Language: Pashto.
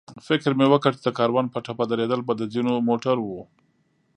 فکر مې وکړ چې د کاروان په ټپه درېدل به د ځینو موټرو.